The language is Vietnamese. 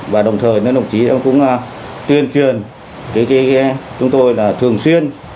và đồng thời đồng chí cũng tuyên truyền tới chúng tôi là thường xuyên